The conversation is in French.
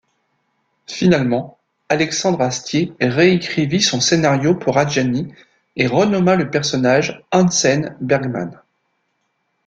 Finalement, Alexandre Astier réécrivit son scénario pour Adjani et renomma le personnage Hansen-Bergmann.